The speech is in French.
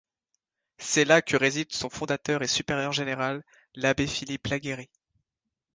C'est là que réside son fondateur et supérieur général, l'abbé Philippe Laguérie.